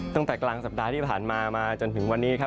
ตั้งแต่กลางสัปดาห์ที่ผ่านมามาจนถึงวันนี้ครับ